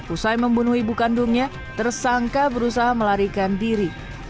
usai membunuh ibu kandungnya tersangka berusaha melarikan diri